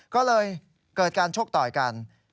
ก็เลยเกิดการชกต่อยกัน